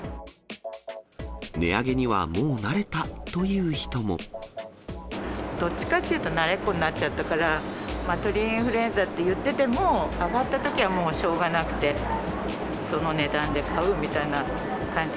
値上げにはもう慣れたというどっちかっていうと、慣れっこになっちゃったから、鳥インフルエンザといってても、上がったときはもうしょうがなくて、その値段で買うみたいな感じ。